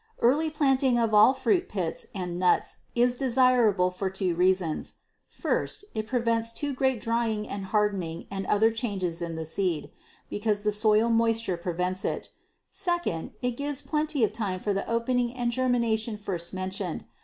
Early planting of all fruit pits and nuts is desirable for two reasons. First, it prevents too great drying and hardening and other changes in the seed, because the soil moisture prevents it; second, it gives plenty of time for the opening and germination first mentioned.